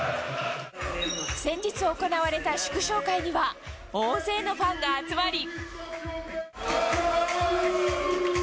先日行われた祝勝会には、大勢のファンが集まり。